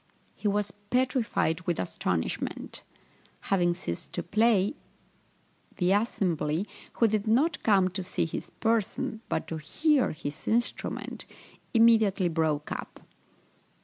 He was petrified with astonishment. Having ceased to play, the assembly, who did not come to see his person, but to hear his instrument, immediately broke up.